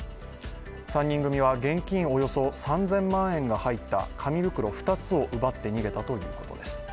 ３人組は、現金およそ３０００万円が入った紙袋２つを奪って逃げたということです。